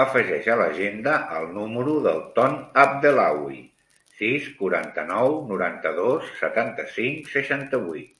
Afegeix a l'agenda el número del Ton Abdellaoui: sis, quaranta-nou, noranta-dos, setanta-cinc, seixanta-vuit.